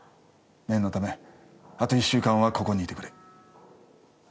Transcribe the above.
念のためあと１週間はここにいてくれ。